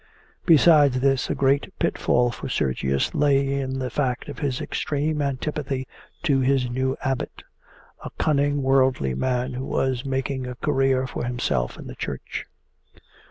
Besides this, a great pitfall for Sergius lay in the fact of his extreme antipathy to his new Abbot, a cunning worldly man who was making a career for himself in the Church.